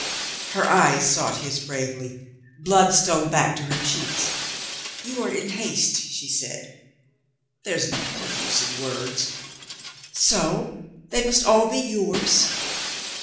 Her eyes sought his bravely. Blood stole back to her cheeks. "You are in haste," she said. "There's no more use in words." "So they must all be yours?"